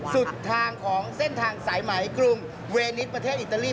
สุดทางของเส้นทางสายไหมกรุงเวนิสประเทศอิตาลี